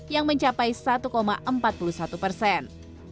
yang mencapai satu empat puluh satu persen